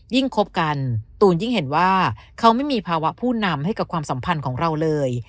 คบกันตูนยิ่งเห็นว่าเขาไม่มีภาวะผู้นำให้กับความสัมพันธ์ของเราเลย